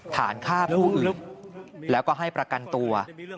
ฐานฆ่าผู้อื่นแล้วก็ให้ประกันตัว